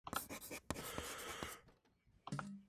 Este caso se denomina "degenerado" o "anormal".